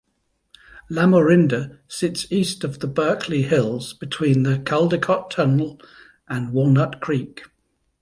Lamorinda sits east of the Berkeley Hills between the Caldecott Tunnel and Walnut Creek.